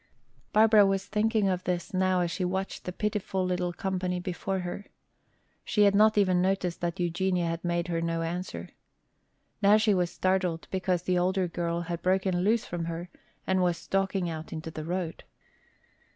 Barbara was thinking of this now as she watched the pitiful little company before her. She had not even noticed that Eugenia had made her no answer. Now she was startled because the older girl had broken loose from her and was stalking out into the road.